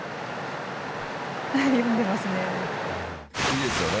読んでますね。